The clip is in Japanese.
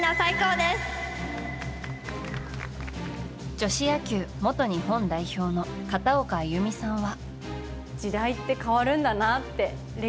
女子野球元日本代表の片岡安祐美さんは。